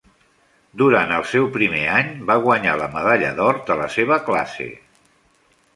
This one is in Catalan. Durant el seu primer any, va guanyar la medalla d'or de la seva classe.